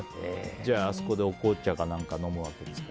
じゃあ、あそこでお紅茶か何か飲むわけですか。